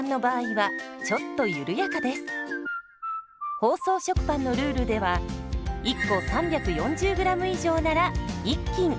包装食パンのルールでは１個３４０ｇ以上なら１斤。